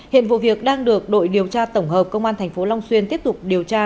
hiện vụ việc đang được đội điều tra tổng hợp công an tp long xuyên tiếp tục điều tra